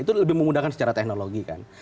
itu lebih memudahkan secara teknologi kan